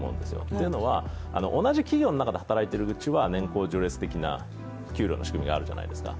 というのは、同じ企業の中で働いているうちは年功序列的な給料の仕組みがあるじゃないですか。